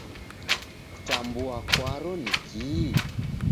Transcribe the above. Kutambua kwaro nikii?